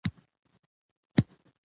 به ځان نه قرباني کوئ!